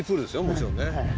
もちろんね。